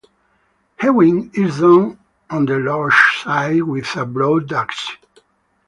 Hewing is done on the logs sides with a broadaxe.